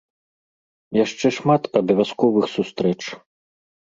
Яшчэ шмат абавязковых сустрэч.